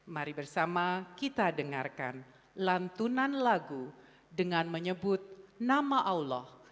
mari bersama kita dengarkan lantunan lagu dengan menyebut nama allah